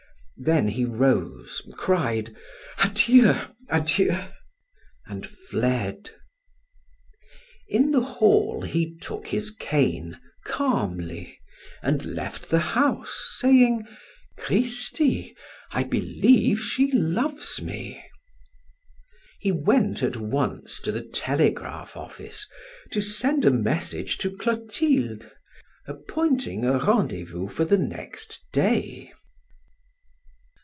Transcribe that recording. Then he rose, cried: "Adieu, adieu!" and fled. In the hall he took his cane calmly and left the house saying: "Cristi! I believe she loves me!" He went at once to the telegraph office to send a message to Clotilde, appointing a rendezvous for the next day.